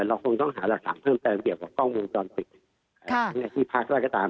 เราคงต้องหารักษณะเพิ่มเติมเกี่ยวกับกล้องมูลจอดติดค่ะที่พักว่าก็ตาม